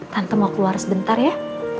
tante mau keluar sebentar ya